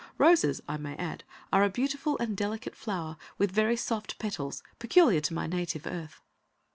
Roses, I may add, are a beautiful and delicate flower, with very soft petals, peculiar to my native Earth.